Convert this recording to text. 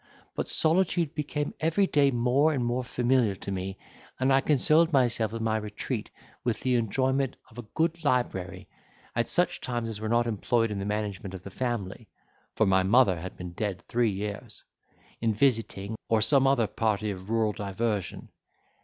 But solitude became every day more and more familiar to me and I consoled myself in my retreat with the enjoyment of a good library, at such times as were not employed in the management of the family (for my mother had been dead three years), in visiting, or some other party of rural diversion.